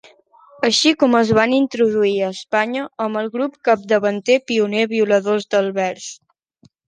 Així com es van introduir a Espanya amb el grup capdavanter pioner Violadors del Vers.